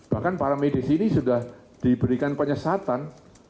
bahkan para medis ini sudah diberikan penyesatan